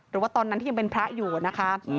ตอนนั้นที่ยังเป็นพระอยู่นะคะ